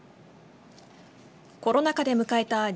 コロナ禍で迎えた